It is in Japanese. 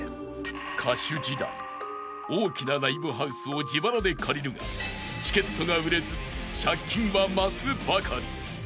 ［歌手時代大きなライブハウスを自腹で借りるがチケットが売れず借金は増すばかり］